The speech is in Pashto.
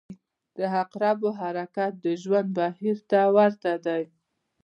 • د عقربو حرکت د ژوند بهیر ته ورته دی.